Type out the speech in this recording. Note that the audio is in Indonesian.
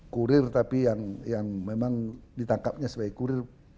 kurir tapi yang memang ditangkapnya sebagai kurir